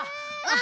あ！